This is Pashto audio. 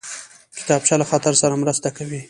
کتابچه له خط سره مرسته کوي